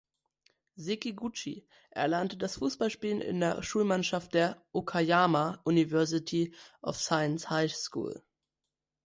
Sekiguchi erlernte das Fußballspielen in der Schulmannschaft der "Okayama University of Science High School".